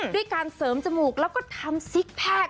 ด้วยการเสริมจมูกแล้วก็ทำซิกแพทย์